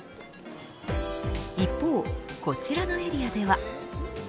一方、こちらのエリアでは。